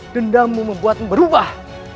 dendammu membuat berubah